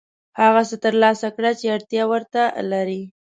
هغه څه ترلاسه کړه چې اړتیا ورته لرې.